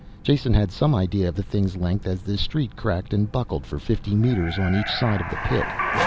Jason had some idea of the thing's length as the street cracked and buckled for fifty meters on each side of the pit.